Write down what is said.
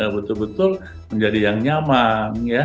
betul betul menjadi yang nyaman